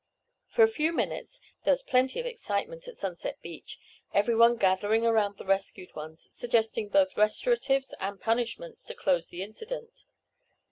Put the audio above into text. For a few minutes there was plenty of excitement at Sunset Beach, everyone gathering around the rescued ones, suggesting both restoratives and punishments to close the incident.